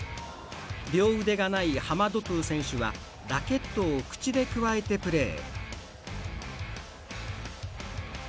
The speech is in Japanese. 両腕がないハマドトゥ選手はラケットを口でくわえてプレー。